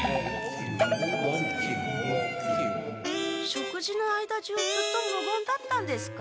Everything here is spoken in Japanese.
食事の間じゅうずっとむごんだったんですか？